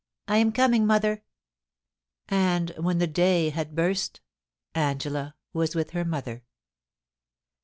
I am coming, mother!' And when the day had burst, Angela was with her mother.